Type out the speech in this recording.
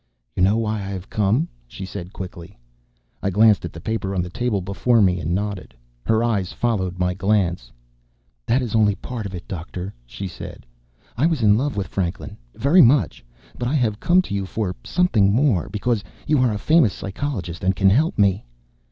"You know why I have come?" she said quickly. I glanced at the paper on the table before me, and nodded. Her eyes followed my glance. "That is only part of it, Doctor," she said. "I was in love with Franklin very much but I have come to you for something more. Because you are a famous psychologist, and can help me."